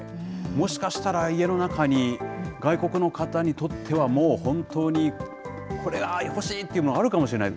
もしかしたら、家の中に外国の方にとってはもう本当に、これは欲しいというものがあるかもしれない。